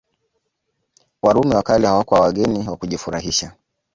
Warumi wa kale hawakuwa wageni wa kujifurahisha